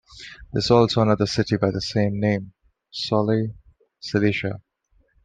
There is also another city by the same name, Soli, Cilicia.